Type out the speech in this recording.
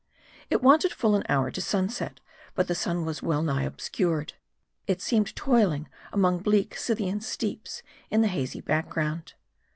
It wanted full an hour to sunset ; but the sun was well nigh obscured. It seemed toiling among bleak Scythian steeps in the hazy background.